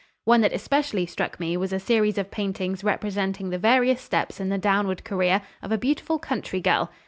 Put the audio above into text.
One that especially struck me was a series of paintings representing the various steps in the downward career of a beautiful country girl.